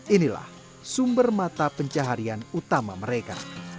inilah sumber mata pencaharian utama mereka